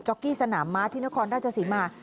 จ๊อกกี้สนามม้าที่นครราชสิมา